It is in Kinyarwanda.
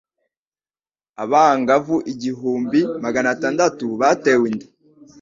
abangavu igihumbi maganatandatu batewe inda,